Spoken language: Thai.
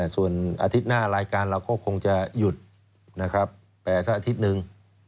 ส่วนอาทิตย์หน้ารายการเราก็คงจะหยุดนะครับแปลสักอาทิตย์หนึ่ง